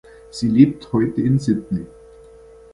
Sie lebt heute in Sydney.